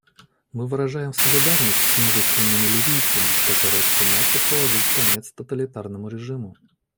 Мы выражаем солидарность с мужественными ливийцами, которые стремятся положить конец тоталитарному режиму.